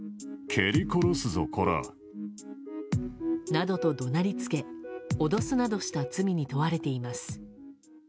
などと怒鳴りつけ脅すなどした罪に問われています。